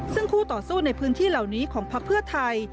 ซึ่งคู่ต่อสู้ในพื้นที่เหล่านี้ของพักเพื่อไทย